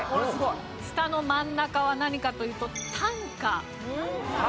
下の真ん中は何かというとたんか。